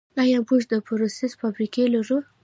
آیا موږ د پروسس فابریکې لرو؟